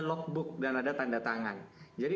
logbook dan ada tanda tangan jadi